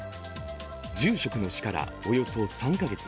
住職の死からおよそ３か月。